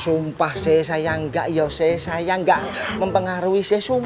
sumpah seh sayang gak yoseh sayang gak mempengaruhi seh sum